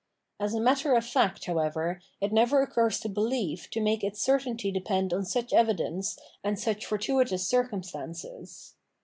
As a matter of fact, however, it never occurs to belief to make its certainty depend on such evidence and such fortuitous circumstances.